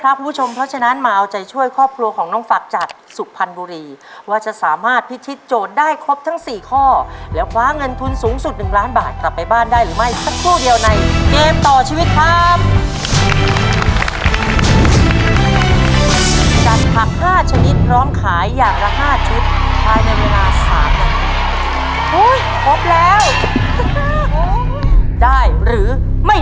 ครับคุณผู้ชมเพราะฉะนั้นมาเอาใจช่วยครอบครัวของน้องฝากจากสุขพันธ์บุรีว่าจะสามารถพิธิจโจทย์ได้ครบทั้งสี่ข้อและคว้างเงินทุนสูงสุดหนึ่งล้านบาทกลับไปบ้านได้หรือไม่สักครู่เดียวในเกมต่อชีวิตคล้ำจัดผักห้าชนิดพร้อมขายอย่างละห้าชุดใครในเวลาสามนาทีโอ้ยครบแล้วได้หรือไม